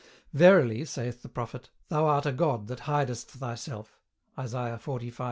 "Verily" (saith the prophet) "thou art a God that hidest thyself." Isaiah, 45. 15.